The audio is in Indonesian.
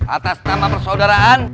atas nama persaudaraan